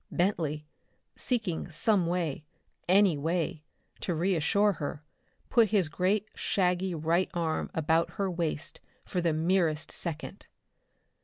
Bentley, seeking some way, any way, to reassure her, put his great shaggy right arm about her waist for the merest second.